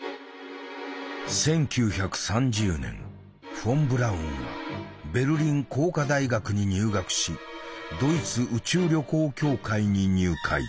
フォン・ブラウンはベルリン工科大学に入学しドイツ宇宙旅行協会に入会。